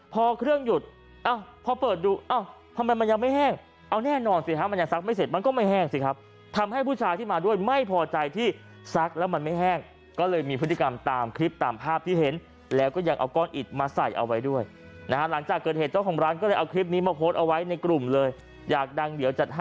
พอเครื่องหยุดพอเปิดดูเอ้าทำไมมันยังไม่แห้งเอาแน่นอนสิฮะมันยังซักไม่เสร็จมันก็ไม่แห้งสิครับทำให้ผู้ชายที่มาด้วยไม่พอใจที่ซักแล้วมันไม่แห้งก็เลยมีพฤติกรรมตามคลิปตามภาพที่เห็นแล้วก็ยังเอาก้อนอิดมาใส่เอาไว้ด้วยนะฮะหลังจากเกิดเหตุเจ้าของร้านก็เลยเอาคลิปนี้มาโพสต์เอาไว้ในกลุ่มเลยอยากดังเดี๋ยวจัดให้